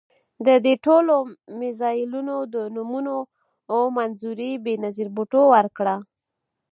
د دې ټولو میزایلونو د نومونو منظوري بېنظیر بوټو ورکړه.